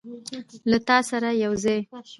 له تا سره یوځای